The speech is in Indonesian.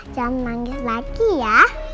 jangan manggis lagi ya